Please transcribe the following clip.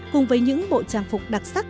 cùng với những bộ trang phục đặc sắc